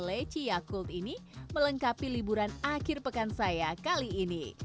leci yakult ini melengkapi liburan akhir pekan saya kali ini